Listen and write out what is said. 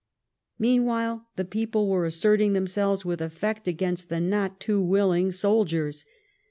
Meanwhile, the people were asserting themselves with effect against the not too willing soldiers.